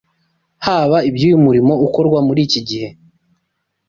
Haba iby’uyu murimo ukorwa muri iki gihe